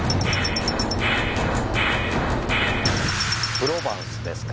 プロヴァンスですか。